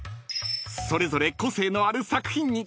［それぞれ個性のある作品に］